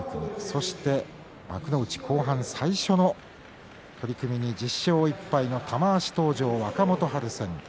そして幕内後半最初の取組に１０勝１敗の玉鷲が登場若元春戦。